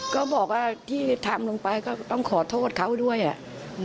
ก็บอกว่าที่ทำลงไปก็ต้องขอโทษเขาด้วยอ่ะ